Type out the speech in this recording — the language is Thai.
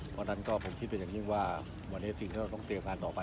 เพราะฉะนั้นก็ผมคิดเป็นอย่างยิ่งว่าวันนี้สิ่งที่เราต้องเตรียมการต่อไป